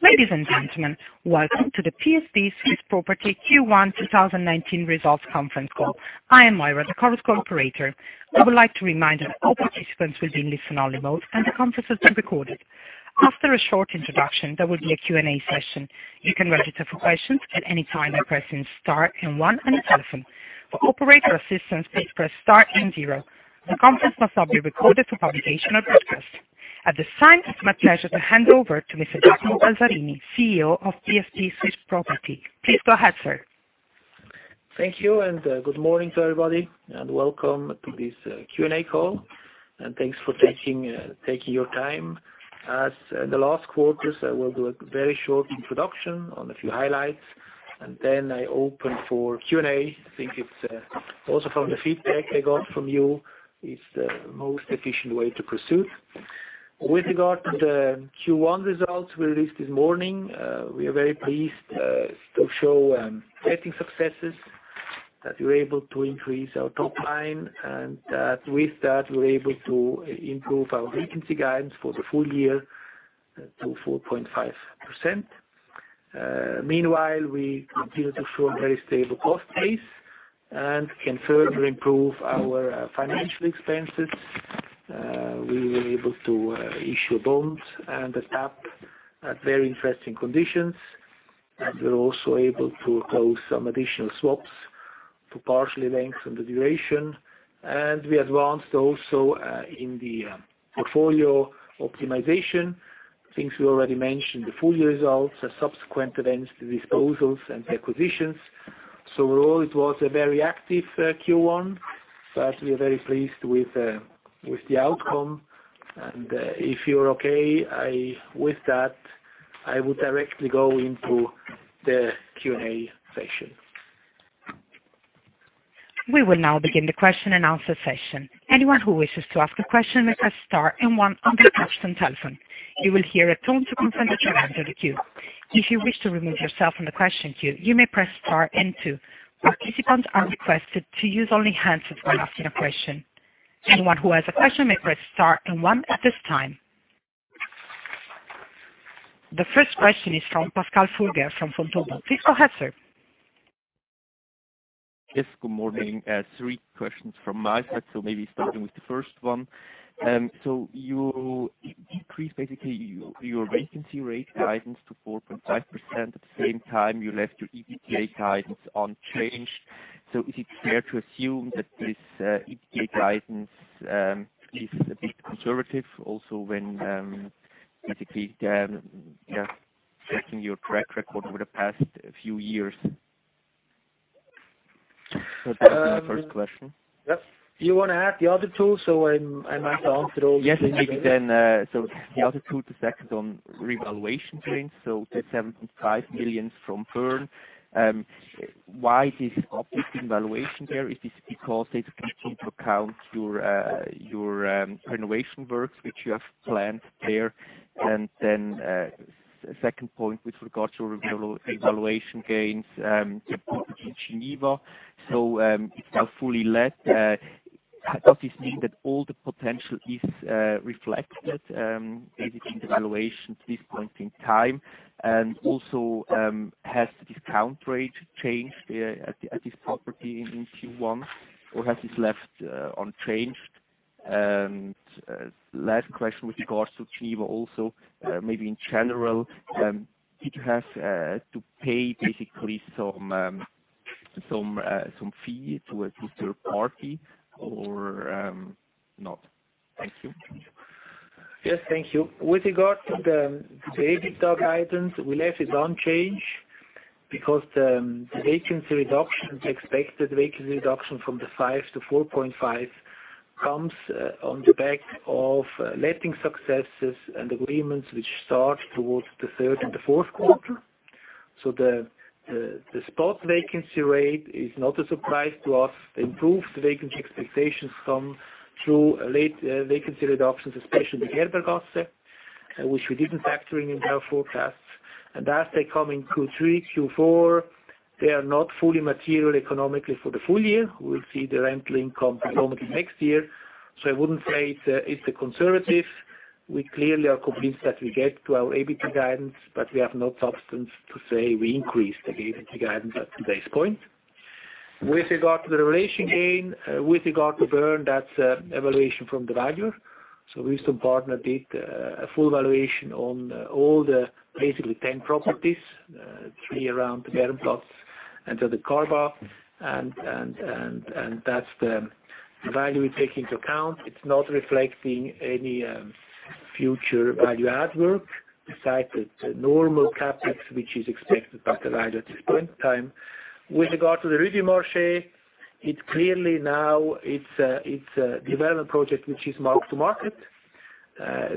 Ladies and gentlemen, welcome to the PSP Swiss Property Q1 2019 Results Conference Call. I am Ira, the conference call operator. I would like to remind that all participants will be in listen-only mode, and the conference is being recorded. After a short introduction, there will be a Q&A session. You can register for questions at any time by pressing star and one on your telephone. For operator assistance, please press star and zero. The conference must not be recorded for publication or broadcast. At this time, it's my pleasure to hand over to Mr. Giacomo Balzarini, CEO of PSP Swiss Property. Please go ahead, sir. Thank you. Good morning to everybody, and welcome to this Q&A call. Thanks for taking your time. As the last quarters, I will do a very short introduction on a few highlights. Then I open for Q&A. I think it's, also from the feedback I got from you, it's the most efficient way to proceed. With regard to the Q1 results we released this morning, we are very pleased to show letting successes, that we're able to increase our top line, and that with that, we're able to improve our vacancy guidance for the full year to 4.5%. Meanwhile, we continue to show a very stable cost base and can further improve our financial expenses. We were able to issue bonds and a tap at very interesting conditions. We were also able to close some additional swaps to partially lengthen the duration. We advanced also in the portfolio optimization, things we already mentioned, the full year results, the subsequent events, the disposals, and acquisitions. Overall, it was a very active Q1. Thus, we are very pleased with the outcome. If you're okay with that, I will directly go into the Q&A session. We will now begin the question and answer session. Anyone who wishes to ask a question may press star and one on their touchtone telephone. You will hear a tone to confirm that you are entered in the queue. If you wish to remove yourself from the question queue, you may press star and two. Participants are requested to use only hands up when asking a question. Anyone who has a question may press star and one at this time. The first question is from Pascal Furger, from Vontobel. Please go ahead, sir. Yes, good morning. Three questions from my side, maybe starting with the first one. You increased basically your vacancy rate guidance to 4.5%. At the same time, you left your EBITDA guidance unchanged. Is it fair to assume that this EBITDA guidance is a bit conservative also when basically, checking your track record over the past few years? That was my first question. Yes. Do you want to add the other two, I might answer all 3 together? Yes, maybe. The other 2, the 2nd on revaluation gains. The 75 million from Bern. Why this uptick in valuation there? Is this because they took into account your renovation works, which you have planned there? Second point with regard to your revaluation gains in Geneva. It's now fully let. Does this mean that all the potential is reflected basically in the valuation at this point in time? Has the discount rate changed there at this property in Q1, or has this left unchanged? Last question with regards to Geneva also, maybe in general, did you have to pay basically some fee to a third party or not? Thank you. Yes. Thank you. With regard to the EBITDA guidance, we left it unchanged because the expected vacancy reduction from the 5 to 4.5 comes on the back of letting successes and agreements which start towards the 3rd and the 4th quarter. The spot vacancy rate is not a surprise to us. The improved vacancy expectations come through late vacancy reductions, especially in the Herrengasse, which we didn't factor in our forecasts. As they come in Q3, Q4, they are not fully material economically for the full year. We will see the rental income normally next year. I wouldn't say it's conservative. We clearly are convinced that we get to our EBITDA guidance, but we have no substance to say we increased the EBITDA guidance at today's point. With regard to the valuation gain, with regard to Bern, that's a valuation from the valuer. We as the partner did a full valuation on all the basically 10 properties, three around the Waisenhausplatz and the Kornhausplatz, and that's the value we take into account. It's not reflecting any future value add work beside the normal CapEx which is expected by the valuer at this point in time. With regard to the Rue du Marché, it's a development project which is marked to market.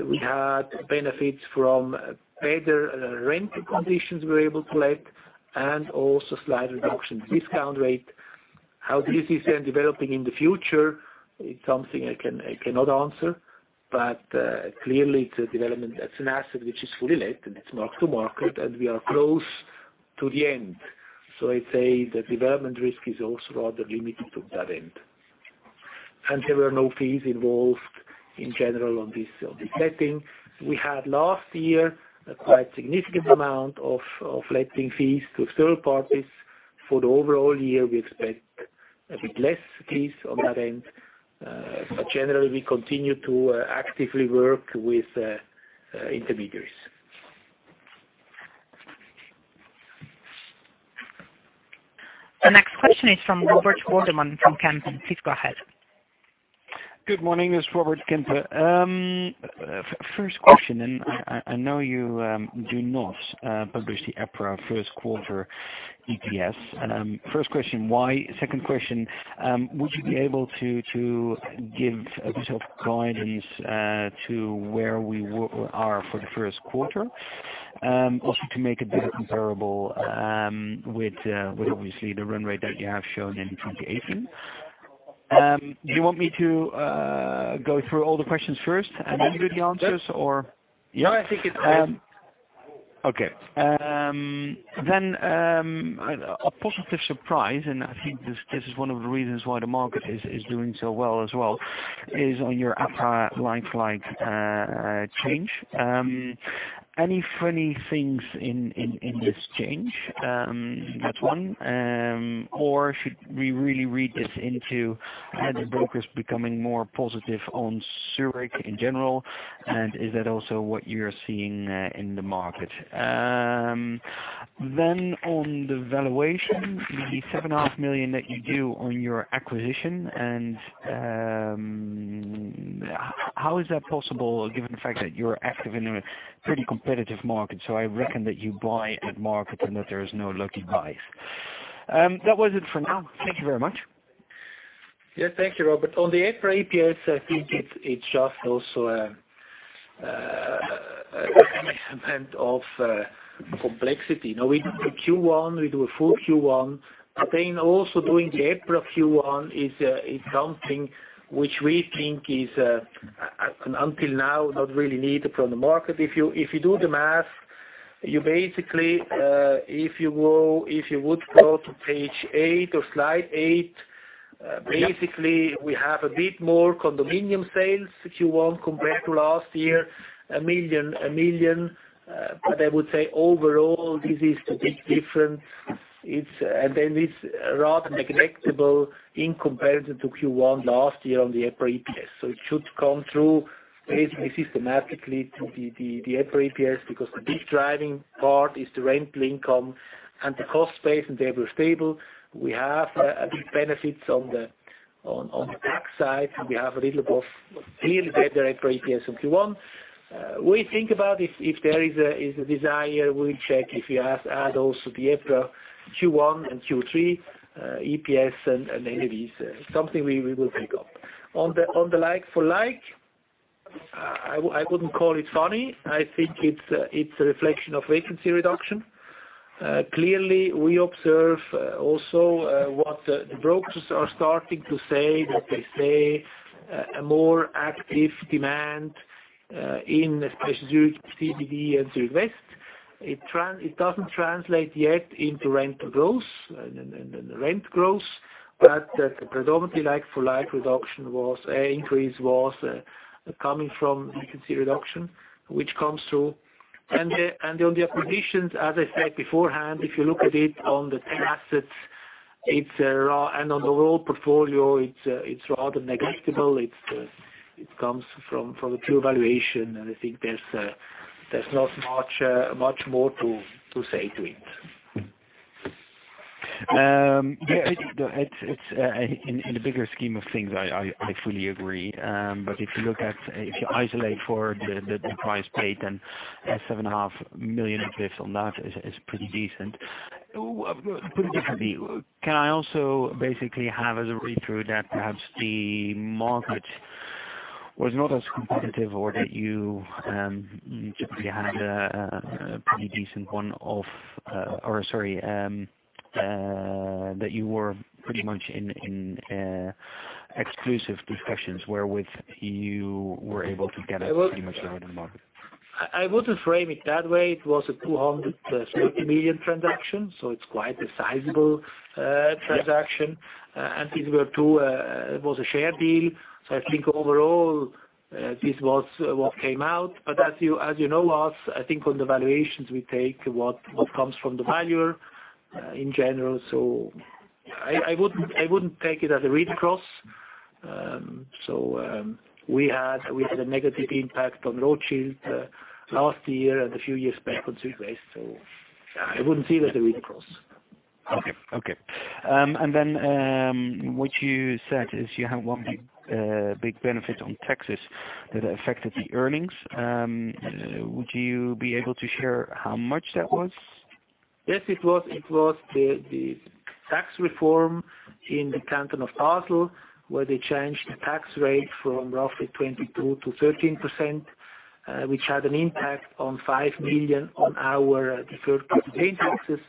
We had benefits from better rental conditions we were able to let, and also slight reduction in discount rate. This is then developing in the future, it's something I cannot answer. Clearly, it's an asset which is fully let, and it's marked to market, and we are close to the end. I'd say the development risk is also rather limited to that end. There were no fees involved in general on this letting. We had last year a quite significant amount of letting fees to third parties. For the overall year, we expect a bit less fees on that end. Generally, we continue to actively work with intermediaries. The next question is from Robert Haldiman from Kempen. Please go ahead. Good morning. It's Robert Kempen. First question, I know you do not publish the EPRA first quarter EPS. First question, why? Second question, would you be able to give a bit of guidance to where we are for the first quarter? Also, to make it better comparable with obviously the run rate that you have shown in 2018. Do you want me to go through all the questions first and then do the answers or? No, I think it's fine. Okay. A positive surprise, and I think this is one of the reasons why the market is doing so well as well, is on your EPRA like-for-like change. Any funny things in this change? That's one. Should we really read this into are the brokers becoming more positive on Zurich in general? Is that also what you're seeing in the market? On the valuation, the seven and a half million that you do on your acquisition, how is that possible given the fact that you're active in a pretty competitive market? I reckon that you buy at market and that there is no lucky buys. That was it for now. Thank you very much. Thank you, Robert. On the EPRA EPS, I think it's just also a recognition and of complexity. We do a Q1, we do a full Q1, also doing the EPRA Q1 is something which we think is, until now, not really needed from the market. If you do the math, if you would go to page eight or slide eight, basically, we have a bit more condominium sales if you want, compared to last year, 1 million. I would say overall, this is the big difference. It's rather neglectable in comparison to Q1 last year on the EPRA EPS. It should come through basically systematically to the EPRA EPS, because the big driving part is the rental income and the cost base, and they were stable. We have a big benefits on the tax side, we have a little bit of real better EPRA EPS on Q1. We think about if there is a desire, we'll check if we have add also the EPRA Q1 and Q3 EPS, maybe this is something we will pick up. On the like-for-like, I wouldn't call it funny. I think it's a reflection of vacancy reduction. Clearly, we observe also what the brokers are starting to say, that they say a more active demand in especially Zurich CBD and Zurich West. It doesn't translate yet into rental growth. The predominantly like-for-like increase was coming from vacancy reduction, which comes through. On the acquisitions, as I said beforehand, if you look at it on the assets and on the raw portfolio, it's rather neglectable. It comes from the pure valuation, and I think there's not much more to say to it. In the bigger scheme of things, I fully agree. If you isolate for the price paid, then a seven and a half million uplift on that is pretty decent. Putting differently, can I also basically have as a read-through that perhaps the market was not as competitive or that you were pretty much in exclusive discussions wherewith you were able to get it pretty much lower than the market? I wouldn't frame it that way. It was a 230 million transaction, so it's quite a sizable transaction. Yeah. It was a share deal. I think overall, this was what came out. As you know us, I think on the valuations, we take what comes from the valuer in general. I wouldn't take it as a read across. We had a negative impact on Rothschild last year and a few years back on Swiss Re, I wouldn't see it as a read across. Okay. What you said is you have one big benefit on taxes that affected the earnings. Would you be able to share how much that was? Yes, it was the tax reform in the Canton of Basel, where they changed the tax rate from roughly 22%-13%, which had an impact on 5 million on our deferred taxes,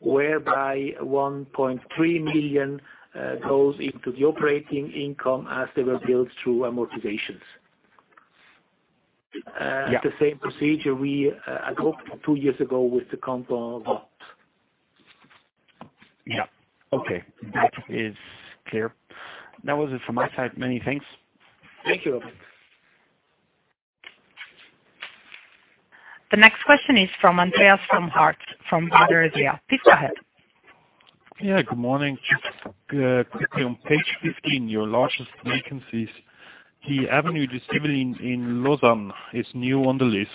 whereby 1.3 million goes into the operating income as they were billed through amortizations. The same procedure we adopted two years ago with the Canton of Vaud. Yeah. Okay. That is clear. That was it from my side. Many thanks. Thank you. The next question is from Andreas von Arx from Baader Helvea. Please go ahead. Good morning. Just quickly, on page 15, your largest vacancies, the Avenue de Sévelin in Lausanne is new on the list.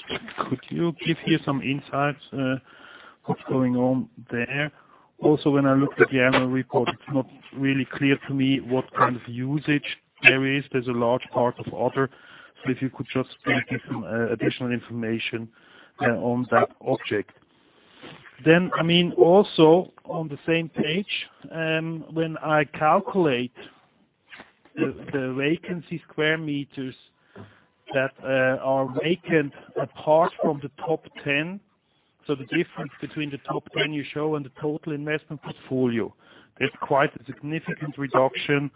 Could you give here some insights, what's going on there? Also, when I look at the annual report, it's not really clear to me what kind of usage there is. There's a large part of other. If you could just give some additional information on that object. Also on the same page, when I calculate the vacancy square meters that are vacant apart from the top 10, the difference between the top 10 you show and the total investment portfolio. There's quite a significant reduction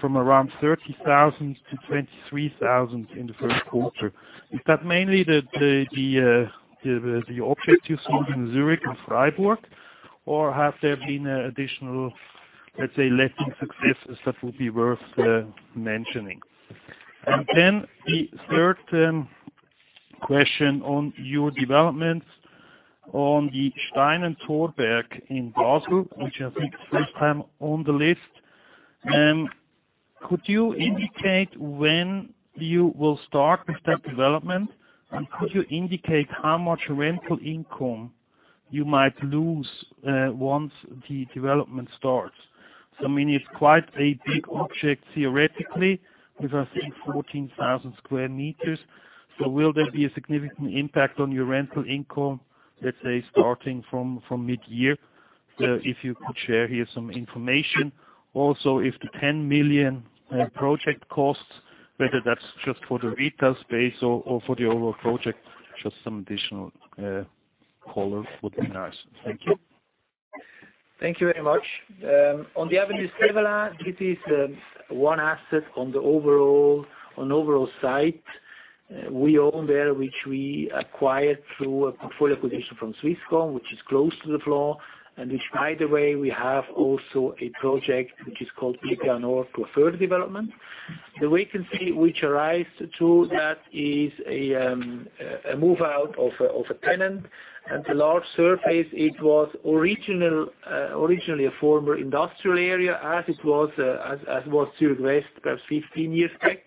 from around 30,000 to 23,000 in the first quarter. Is that mainly the objects you sold in Zurich and Fribourg, or have there been additional, let's say, letting successes that would be worth mentioning? The third question on your developments on the Steinentorberg in Basel, which I think first time on the list. Could you indicate when you will start with that development? Could you indicate how much rental income you might lose, once the development starts? It's quite a big object theoretically with, I think, 14,000 sq m. Will there be a significant impact on your rental income, let's say, starting from mid-year? If you could share here some information. Also, if the 10 million project costs, whether that's just for the retail space or for the overall project, just some additional color would be nice. Thank you. Thank you very much. On the Avenue de Sévelin, it is one asset on overall site we own there, which we acquired through a portfolio acquisition from Swisscom, which is close to the floor and which, by the way, we have also a project which is called EPFL Nord for a third development. The vacancy which arise to that is a move out of a tenant. The large surface, it was originally a former industrial area as was Zurich West perhaps 15 years back.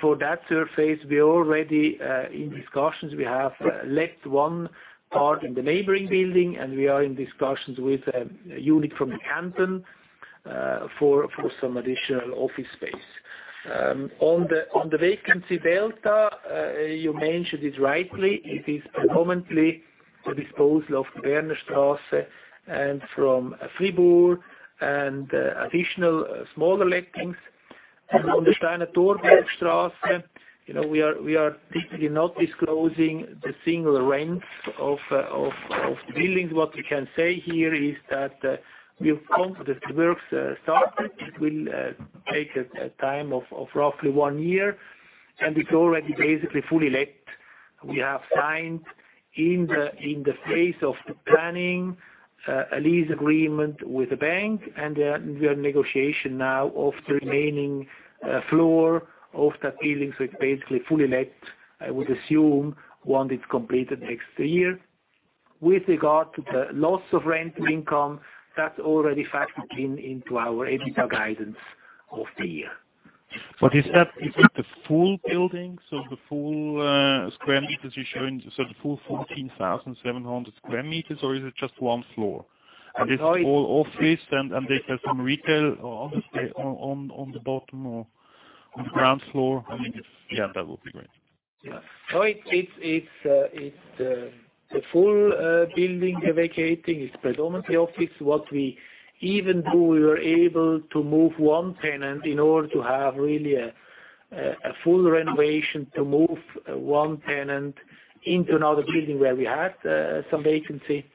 For that surface, we are already in discussions. We have let one part in the neighboring building, and we are in discussions with a unit from the canton, for some additional office space. On the vacancy delta, you mentioned it rightly, it is predominantly the disposal of Rue de Berne and from Fribourg and additional smaller lettings. On the Steinentorbergstrasse, we are typically not disclosing the single rents of buildings. What we can say here is that the works started. It will take a time of roughly one year, and it's already basically fully let. We have signed in the phase of the planning a lease agreement with a bank, and we are in negotiation now of the remaining floor of that building. It's basically fully let, I would assume, once it's completed next year. With regard to the loss of rental income, that's already factored in into our EBITDA guidance of the year. Is it the full building, so the full square meters you're showing, so the full 14,700 square meters or is it just one floor? This is all office, and they sell some retail or on the bottom or on the ground floor? Yeah, that would be great. Yeah. No, it's the full building they're vacating. It's predominantly office. Even though we were able to move one tenant in order to have really a full renovation to move one tenant into another building where we had some vacancy.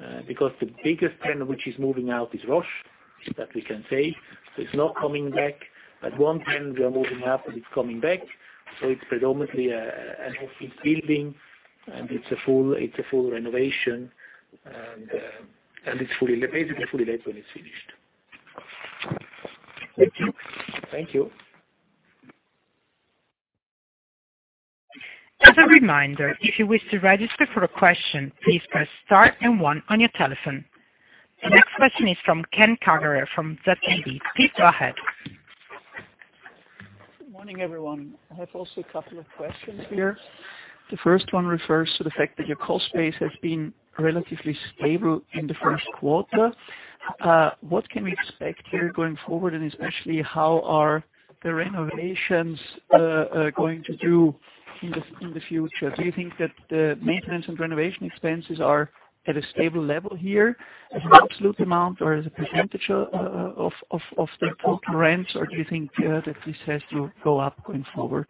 The biggest tenant which is moving out is Roche, that we can say. It's not coming back. One tenant we are moving up, and it's coming back. It's predominantly an office building, and it's a full renovation. It's basically fully let when it's finished. Thank you. Thank you. As a reminder, if you wish to register for a question, please press star and one on your telephone. The next question is from Ken Kagerer from ZKB. Please go ahead. Good morning, everyone. I have also a couple of questions here. The first one refers to the fact that your cost base has been relatively stable in the first quarter. What can we expect here going forward, and especially how are the renovations, going to do in the future? Do you think that the maintenance and renovation expenses are at a stable level here as an absolute amount or as a percentage of the total rents or do you think that this has to go up going forward?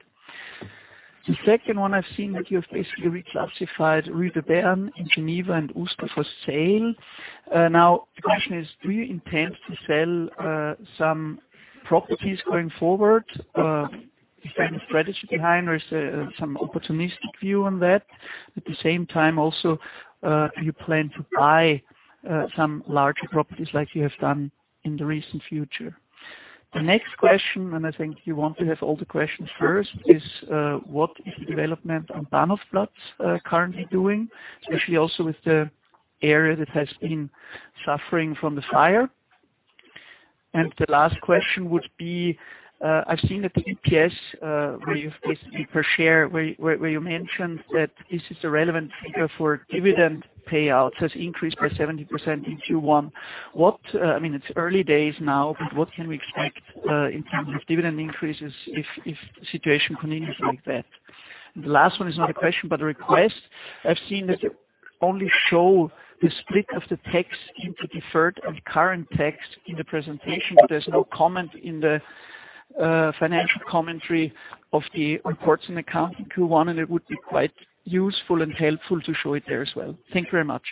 The second one I've seen that you have basically reclassified Rue de Berne in Geneva and Uster for sale. The question is, do you intend to sell some properties going forward. Is there any strategy behind, or is there some opportunistic view on that? At the same time also, do you plan to buy some larger properties like you have done in the recent future? The next question, and I think you want to have all the questions first, is what is the development on Bahnhofplatz currently doing, especially also with the area that has been suffering from the fire? The last question would be, I've seen that the EPS, where you've basically per share, where you mentioned that this is a relevant figure for dividend payouts, has increased by 70% in Q1. It's early days now, but what can we expect in terms of dividend increases if the situation continues like that? The last one is not a question, but a request. I've seen that you only show the split of the tax into deferred and current tax in the presentation, but there's no comment in the financial commentary of the reports in accounting Q1, and it would be quite useful and helpful to show it there as well. Thank you very much.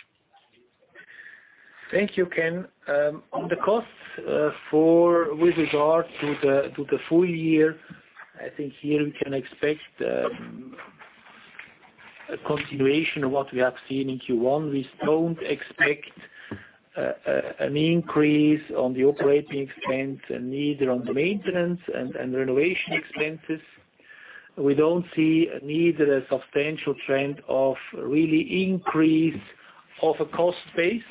Thank you, Ken. On the cost, with regard to the full year, I think here we can expect a continuation of what we have seen in Q1. We don't expect an increase on the operating expense and neither on the maintenance and renovation expenses. We don't see neither a substantial trend of really increase of a cost base.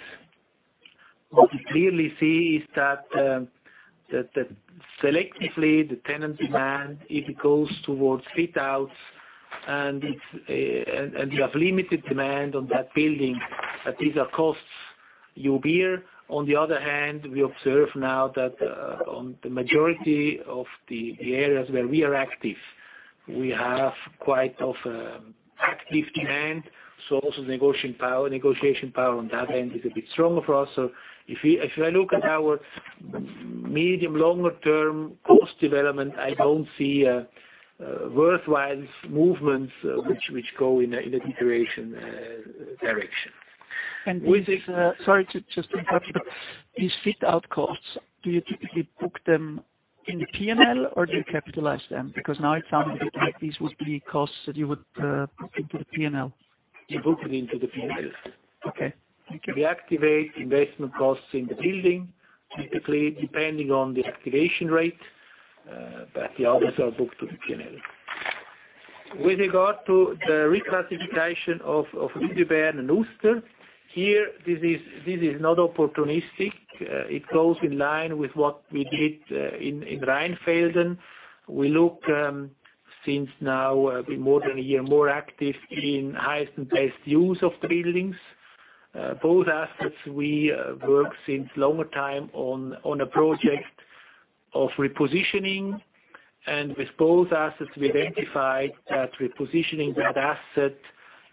What we clearly see is that selectively, the tenant demand, it goes towards fit-outs, and you have limited demand on that building, that these are costs you bear. On the other hand, we observe now that on the majority of the areas where we are active, we have quite of active demand. Also negotiation power on that end is a bit stronger for us. If I look at our medium, longer term cost development, I don't see a worthwhile movement which go in a deterioration direction. With this, sorry to just interrupt you. These fit-out costs, do you typically book them in the P&L, or do you capitalize them? Because now it sounded a bit like these would be costs that you would put into the P&L. You book it into the P&Ls. Okay. Thank you. We activate investment costs in the building, typically depending on the activation rate, but the others are booked to the P&L. With regard to the reclassification of Rue de Berne and Uster, here, this is not opportunistic. It goes in line with what we did in Rheinfelden. We look, since now be more than a year, more active in highest and best use of the buildings. Both assets we work since longer time on a project of repositioning, and with both assets, we identified that repositioning that asset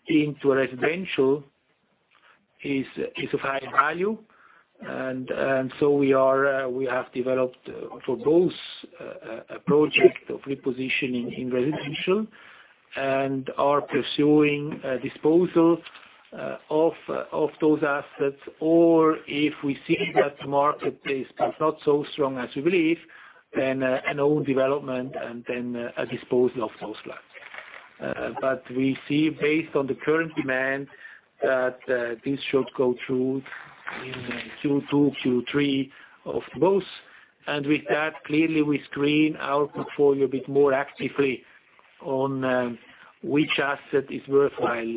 into residential is of high value. So we have developed for both a project of repositioning in residential and are pursuing a disposal of those assets. If we see that the market is not so strong as we believe, an own development and a disposal of those lands. We see, based on the current demand, that this should go through in Q2, Q3 of both. With that, clearly we screen our portfolio a bit more actively on which asset is worthwhile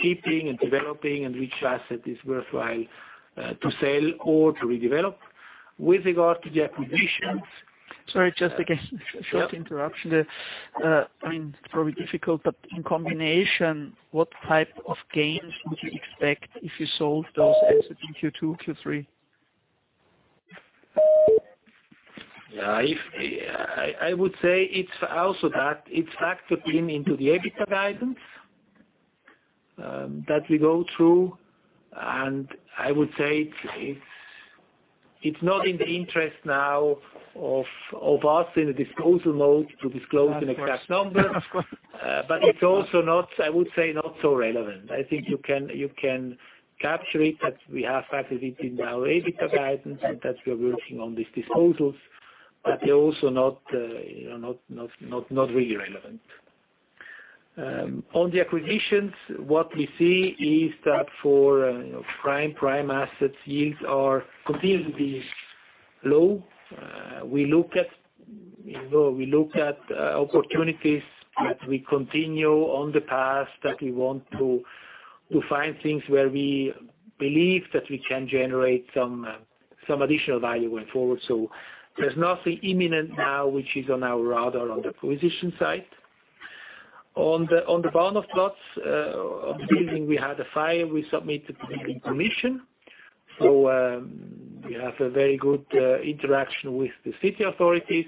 keeping and developing and which asset is worthwhile to sell or to redevelop. With regard to the acquisitions- Sorry, just again, short interruption. It's probably difficult, in combination, what type of gains would you expect if you sold those assets in Q2, Q3? I would say it's also that it's factored in into the EBITDA guidance that we go through. I would say it's not in the interest now of us in a disposal mode to disclose an exact number. Of course. It's also, I would say, not so relevant. I think you can capture it, that we have factored it in our EBITDA guidance and that we are working on these disposals, but they're also not really relevant. On the acquisitions, what we see is that for prime assets, yields are continuously low. We look at opportunities, but we continue on the path that we want to find things where we believe that we can generate some additional value going forward. There's nothing imminent now, which is on our radar on the acquisition side. On the Bahnhofplatz building, we had a fire. We submitted the permission. We have a very good interaction with the city authorities,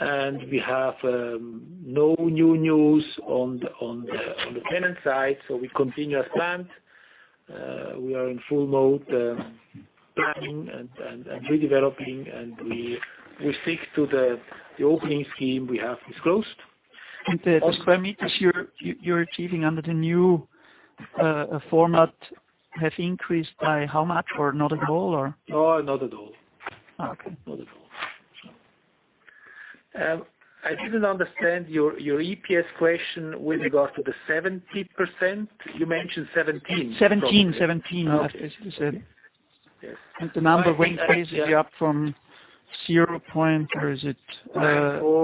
and we have no new news on the tenant side. We continue as planned. We are in full mode, planning and redeveloping, we stick to the opening scheme we have disclosed. The square meters you're achieving under the new format have increased by how much? Or not at all? No, not at all. Okay. Not at all. I didn't understand your EPS question with regard to the 70%. You mentioned 17. 17. Okay. The number we raise is up from. Nine four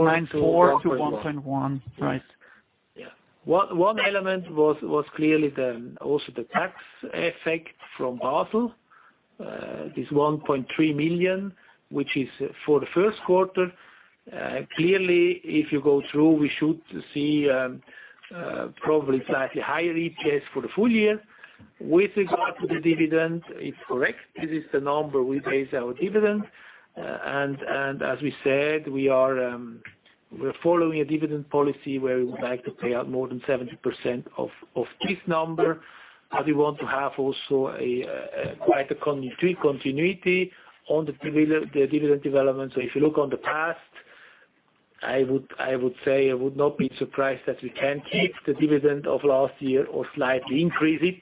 nine four to 1.1. Right. Yeah. One element was clearly also the tax effect from Basel. This 1.3 million, which is for the first quarter. Clearly, if you go through, we should see probably slightly higher EPS for the full year. With regard to the dividend, it's correct. This is the number we base our dividend. As we said, we're following a dividend policy where we would like to pay out more than 70% of this number. We want to have also quite a continuity on the dividend development. If you look on the past, I would say I would not be surprised that we can keep the dividend of last year or slightly increase it.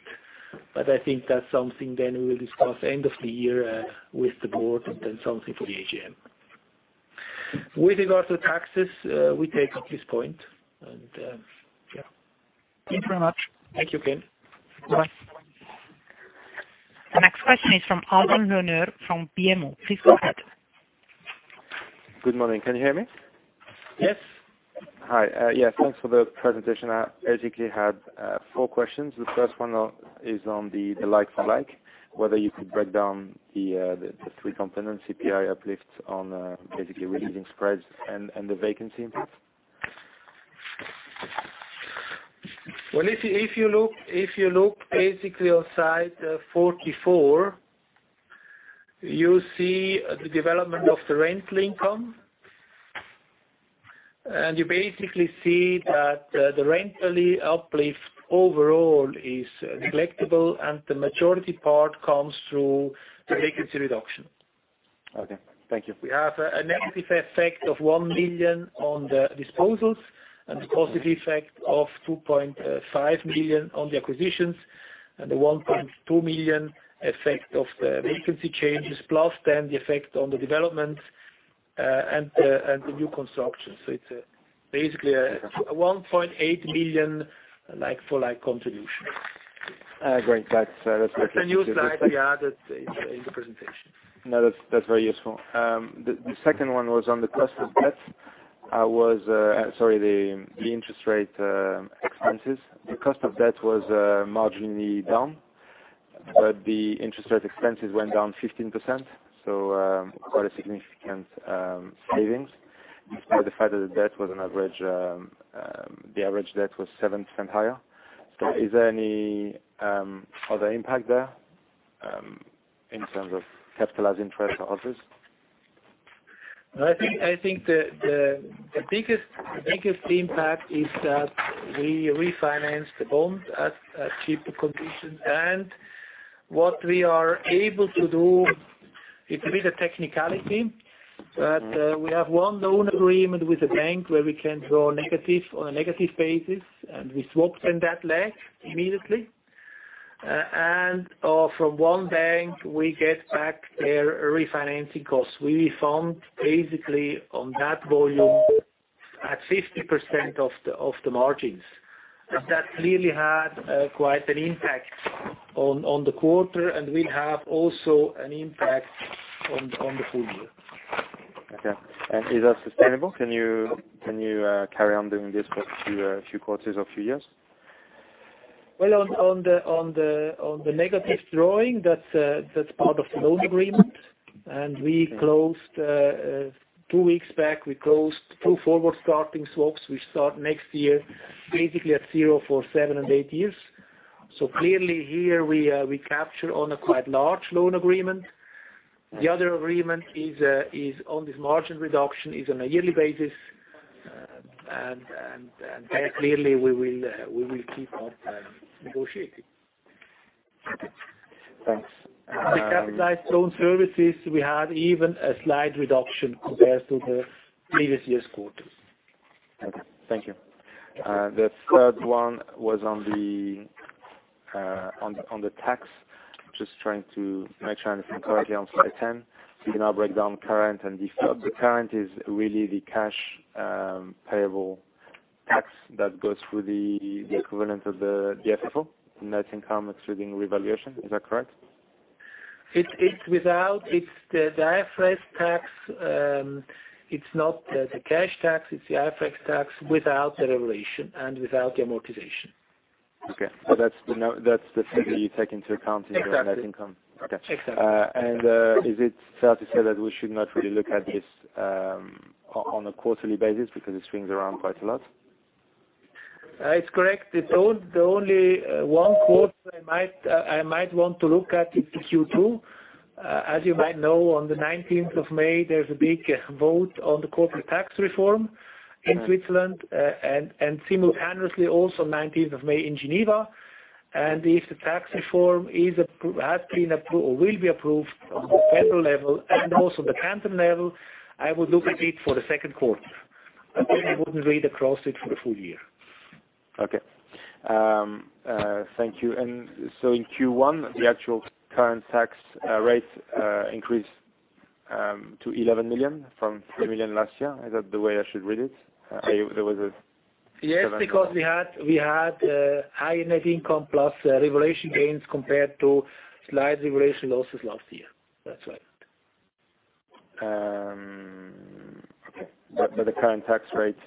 I think that's something then we will discuss end of the year with the board, then something for the AGM. With regard to taxes, we take at this point. Yeah. Thanks very much. Thank you, Ken. Bye. The next question is from Arnaud Luynes from BMO. Please go ahead. Good morning. Can you hear me? Yes. Hi. Yes, thanks for the presentation. I basically had four questions. The first one is on the like-for-like, whether you could break down the three-component CPI uplift on basically releasing spreads and the vacancy impact. Well, if you look basically on slide 44, you see the development of the rental income. You basically see that the rental uplift overall is negligible and the majority part comes through the vacancy reduction. Okay. Thank you. We have a negative effect of 1 million on the disposals and a positive effect of 2.5 million on the acquisitions and the 1.2 million effect of the vacancy changes, plus then the effect on the development and the new construction. It's basically a 1.8 million like-for-like contribution. Great. That's- That's a new slide we added in the presentation. That's very useful. The second one was on the cost of debt. Sorry, the interest rate expenses. The cost of debt was marginally down, but the interest rate expenses went down 15%. Quite a significant savings. Despite the fact that the average debt was 7% higher. Is there any other impact there, in terms of capitalizing interest or others? I think the biggest impact is that we refinanced the bond at cheaper conditions. What we are able to do, it's a bit a technicality, but we have one loan agreement with a bank where we can draw on a negative basis, and we swapped in that leg immediately. From one bank, we get back their refinancing cost. We fund basically on that volume at 50% of the margins. That clearly had quite an impact on the quarter and will have also an impact on the full year. Okay. Is that sustainable? Can you carry on doing this for a few quarters or few years? Well, on the negative drawing, that's part of the loan agreement. Two weeks back, we closed two forward starting swaps, which start next year, basically at zero for seven and eight years. Clearly here we capture on a quite large loan agreement. The other agreement is on this margin reduction, is on a yearly basis. Quite clearly, we will keep on negotiating. Okay, thanks. The capitalized loan services, we had even a slight reduction compared to the previous year's quarters. Okay. Thank you. The third one was on the tax. Just trying to make sure I understand correctly on slide 10. You now break down current and deferred. The current is really the cash payable. Yes tax that goes through the equivalent of the FFO, net income excluding revaluation. Is that correct? It's the IFRIC tax. It's not the cash tax, it's the IFRIC tax without the revaluation and without the amortization. Okay. That's the figure you take into account in the net income? Exactly. Okay. Exactly. Is it fair to say that we should not really look at this on a quarterly basis because it swings around quite a lot? It's correct. The only one quarter I might want to look at is the Q2. As you might know, on the 19th of May, there's a big vote on the corporate tax reform in Switzerland. Simultaneously also 19th of May in Geneva. If the tax reform will be approved on the federal level and also the canton level, I would look at it for the second quarter. I probably wouldn't read across it for the full year. Okay. Thank you. In Q1, the actual current tax rate increased to 11 million from 3 million last year. Is that the way I should read it? Yes, because we had higher net income plus revaluation gains compared to slight revaluation losses last year. That's right. Okay. The current tax rate,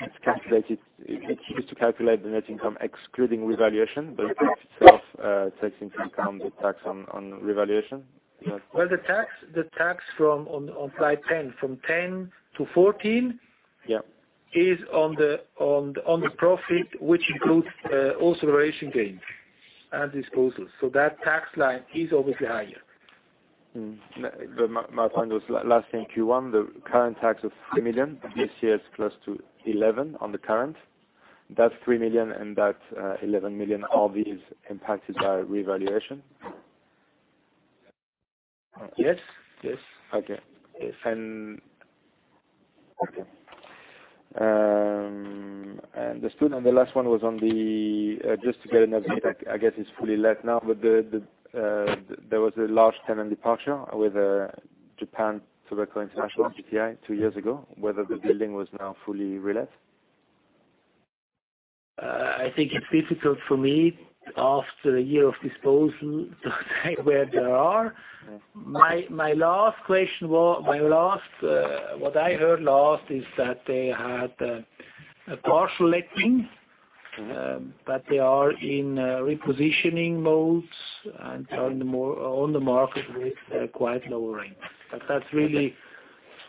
it's used to calculate the net income excluding revaluation, itself takes into account the tax on revaluation? Well, the tax from slide 10, from 10 to 14, Yeah is on the profit, which includes also revaluation gains and disposals. That tax line is obviously higher. My point was last year in Q1, the current tax of 3 million, this year it's close to 11 on the current. That 3 million and that 11 million, are these impacted by revaluation? Yes. Okay. The last one was on the, just to get an update, I guess it's fully let now, but there was a large tenant departure with Japan Tobacco International, JTI, two years ago, whether the building was now fully relet? I think it's difficult for me after a year of disposal to say where they are. What I heard last is that they had a partial letting. They are in repositioning modes and are on the market with quite lower rents. That's really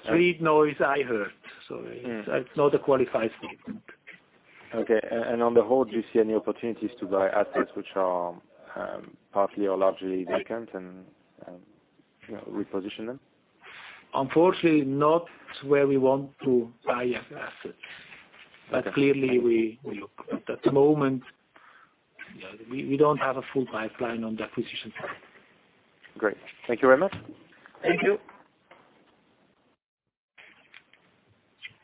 street noise I heard. It's not a qualified statement. Okay. On the whole, do you see any opportunities to buy assets which are partly or largely vacant and reposition them? Unfortunately not where we want to buy assets. Okay. Clearly, at the moment, we don't have a full pipeline on the acquisition side. Great. Thank you very much. Thank you.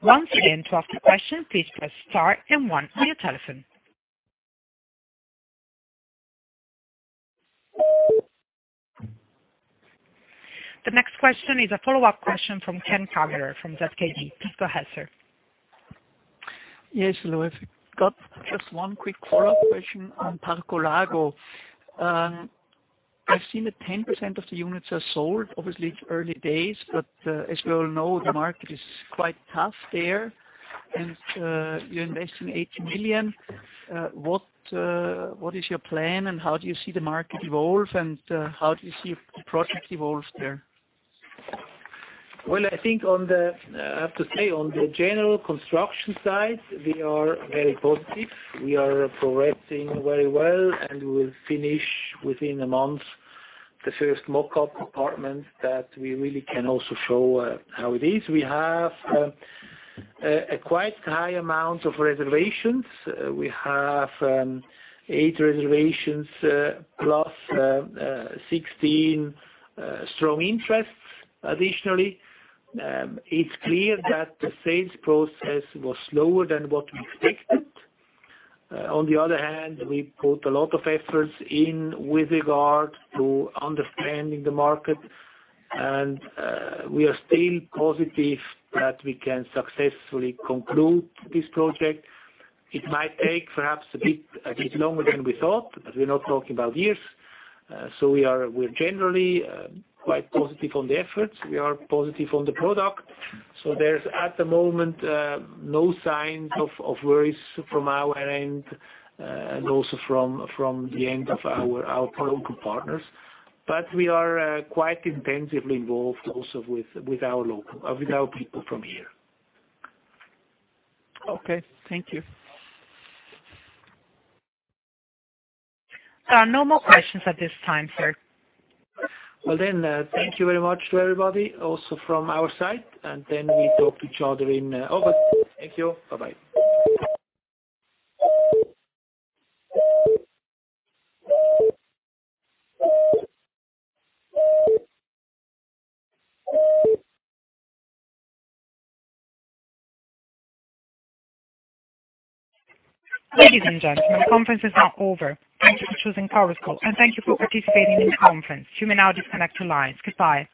Once again, to ask a question, please press star then one on your telephone. The next question is a follow-up question from Ken Kagerer from ZKB. Please go ahead, sir. Yes, hello. I've got just one quick follow-up question on Parco Lago. I've seen that 10% of the units are sold. Obviously, it's early days, but, as we all know, the market is quite tough there. You're investing 80 million. What is your plan and how do you see the market evolve, and how do you see the project evolve there? Well, I think I have to say, on the general construction side, we are very positive. We are progressing very well, and we will finish within a month the first mock-up apartment that we really can also show how it is. We have a quite high amount of reservations. We have eight reservations plus 16 strong interests additionally. It's clear that the sales process was slower than what we expected. On the other hand, we put a lot of efforts in with regard to understanding the market. We are still positive that we can successfully conclude this project. It might take perhaps a bit longer than we thought, but we're not talking about years. We are generally quite positive on the efforts. We are positive on the product. There's, at the moment, no signs of worries from our end, also from the end of our local partners. We are quite intensively involved also with our people from here. Okay. Thank you. There are no more questions at this time, sir. Thank you very much to everybody, also from our side. We talk to each other in August. Thank you. Bye-bye. Ladies and gentlemen, the conference is now over. Thank you for choosing Chorus Call, and thank you for participating in the conference. You may now disconnect your lines. Goodbye.